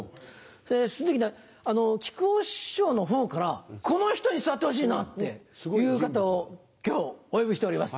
その時ね木久扇師匠のほうからこの人に座ってほしいなっていう方を今日お呼びしております